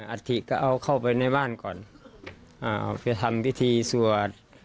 อัทธิก็เอาเข้าไปในบ้านก่อนไปทำวิธีสวัสดิ์